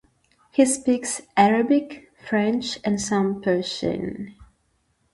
He speaks Arabic, French, and some Persian.